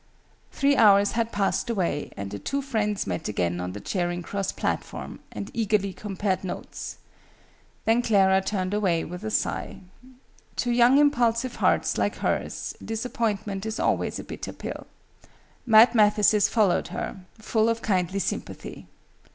Three hours had passed away, and the two friends met again on the Charing Cross platform, and eagerly compared notes. Then Clara turned away with a sigh. To young impulsive hearts, like hers, disappointment is always a bitter pill. Mad Mathesis followed her, full of kindly sympathy.